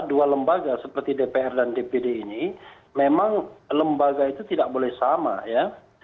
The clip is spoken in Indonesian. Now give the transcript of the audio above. dua lembaga seperti dpr dan dpd ini memang lembaga itu tidak boleh sama ya